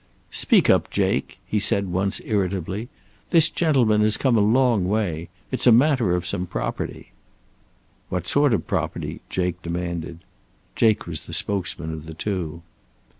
"Speak up, Jake," he said once, irritably. "This gentleman has come a long way. It's a matter of some property." "What sort of property?" Jake demanded. Jake was the spokesman of the two.